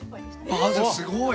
あっじゃあすごい！